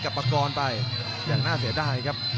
ประกอบไปอย่างน่าเสียดายครับ